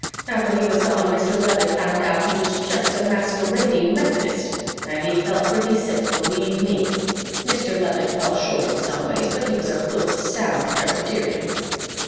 After he was gone Mr. Leavitt found out he was just a masquerading Methodist, and he felt pretty sick, believe ME. Mr. Leavitt fell short in some ways, but he was a good, sound Presbyterian."